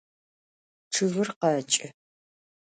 Ççıgır kheç'ı.